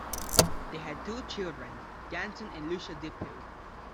They had two children, Ganson and Lucia Depew.